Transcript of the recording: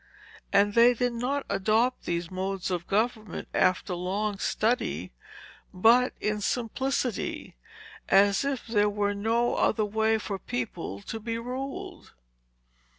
And they did not adopt these modes of government after long study, but in simplicity, as if there were no other way for people to be ruled.